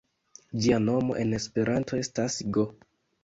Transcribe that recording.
Ĝia nomo en Esperanto estas go.